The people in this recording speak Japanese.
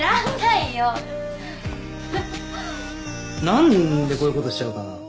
何でこういうことしちゃうかな。